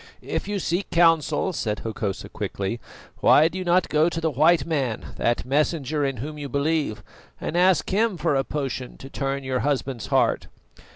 "If you seek counsel," said Hokosa quickly, "why do you not go to the white man, that Messenger in whom you believe, and ask him for a potion to turn your husband's heart?"